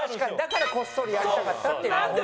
だからこっそりやりたかったっていう。